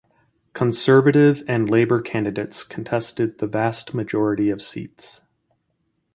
Conservative and Labour candidates contested the vast majority of seats.